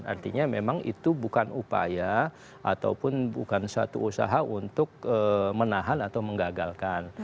artinya memang itu bukan upaya ataupun bukan suatu usaha untuk menahan atau menggagalkan